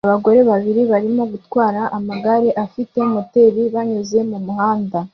Abagore babiri barimo gutwara amagare afite moteri banyuze mumuhanda